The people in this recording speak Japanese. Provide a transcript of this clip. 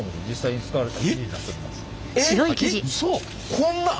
こんなん！？